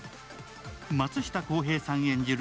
松下洸平さん演じる